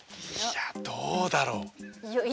いやどうだろう。